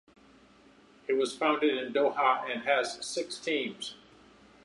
It was founded in Doha and has six teams.